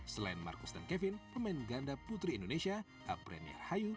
selain marcus dan kevin pemain ganda putri indonesia aprenia rahayu